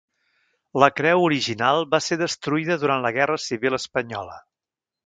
La creu original va ser destruïda durant la Guerra Civil espanyola.